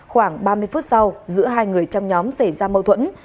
khoảng ba mươi phút sau giữa hai người trong nhóm xảy ra mâu thuẫn